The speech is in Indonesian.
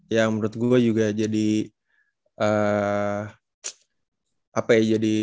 yang menurut gue juga jadi